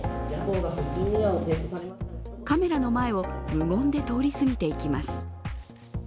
カメラの前を無言で通り過ぎていきます。